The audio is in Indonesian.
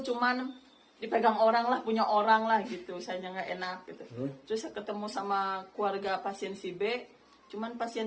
cuman dipegang oranglah punya oranglah gitu saya enak ketemu sama keluarga pasien sibe cuman pasien